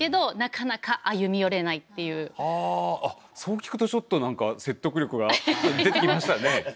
そう聞くとちょっと何か説得力が出てきましたね。